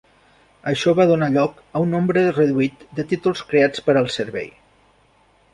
Això va donar lloc a un nombre reduït de títols creats per al servei.